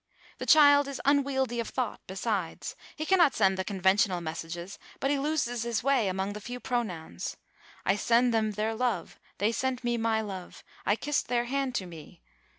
The child is unwieldy of thought, besides. He cannot send the conventional messages but he loses his way among the few pronouns: "I send them their love," "They sent me my love," "I kissed their hand to me."